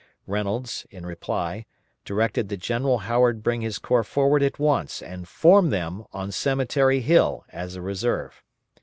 Reynolds, in reply, directed that General Howard bring his corps forward at once and form them on Cemetery Hill as a reserve.